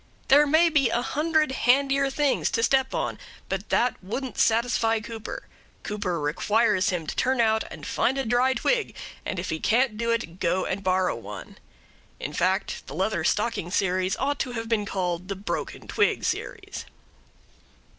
There may be a hundred handier things to step on, but that wouldn't satisfy Cooper. Cooper requires him to turn out and find a dry twig; and if he can't do it, go and borrow one. In fact, the Leather Stocking Series ought to have been called the Broken Twig Series.